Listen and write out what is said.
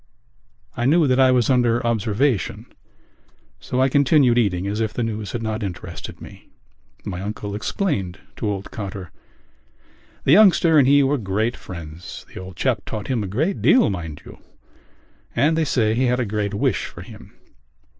I knew that I was under observation so I continued eating as if the news had not interested me. My uncle explained to old Cotter. "The youngster and he were great friends. The old chap taught him a great deal, mind you; and they say he had a great wish for him."